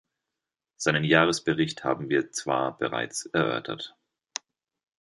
Seinen Jahresbericht haben wir zwar bereits erörtert.